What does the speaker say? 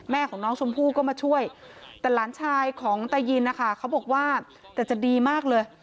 ของน้องชมพู่ก็มาช่วยแต่หลานชายของตายินนะคะเขาบอกว่าแต่จะดีมากเลย